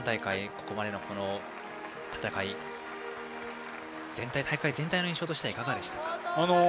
ここまでの戦い大会全体の印象としてはいかがでしたか。